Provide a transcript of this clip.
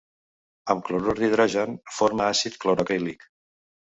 Amb clorur d'hidrogen forma àcid cloroacrílic.